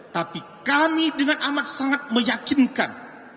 tapi kami dengan amat sangat meyakinkan